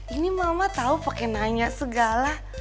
ini mama tau pake nanya segala